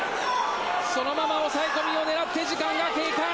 そのまま押さえ込みを狙って時間が経過。